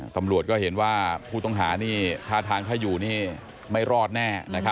ตำรวจก็เห็นว่าผู้ต้องหานี่ท่าทางถ้าอยู่นี่ไม่รอดแน่